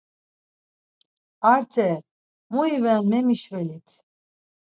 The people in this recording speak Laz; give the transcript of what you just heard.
Arteee! Mu iven, memişvelit!